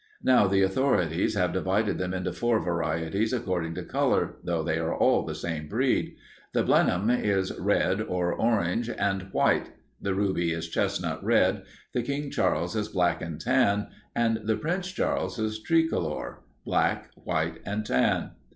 Now the authorities have divided them into four varieties according to color, though they are all the same breed. The Blenheim is red or orange and white, the ruby is chestnut red, the King Charles is black and tan, and the Prince Charles is tri color black, white, and tan.